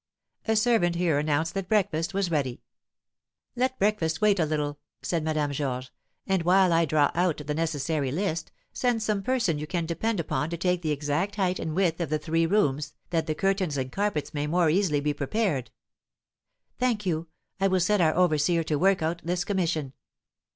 A servant here announced that breakfast was ready. "Let breakfast wait a little," said Madame Georges. "And, while I draw out the necessary list, send some person you can depend upon to take the exact height and width of the three rooms, that the curtains and carpets may more easily be prepared." "Thank you. I will set our overseer to work out this commission."